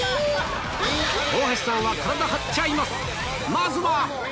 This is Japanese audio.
まずは！